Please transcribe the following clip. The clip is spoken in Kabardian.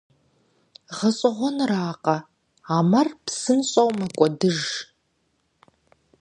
ГъэщӀэгъуэныракъэ, а мэр псынщӀэу мэкӀуэдыж.